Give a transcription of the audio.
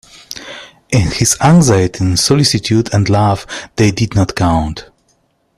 In his anxiety and solicitude and love they did not count.